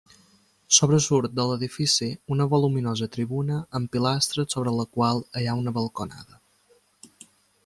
Sobresurt de l'edifici una voluminosa tribuna amb pilastres sobre la qual hi ha una balconada.